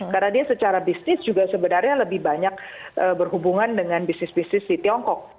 karena dia secara bisnis juga sebenarnya lebih banyak berhubungan dengan bisnis bisnis di tiongkok